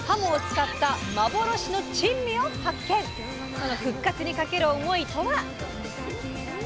その復活にかける思いとは？